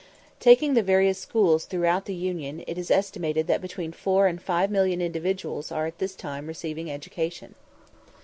Taking the various schools throughout the Union, it is estimated that between 4,000,000 and 5,000,000 individuals are at this time receiving education.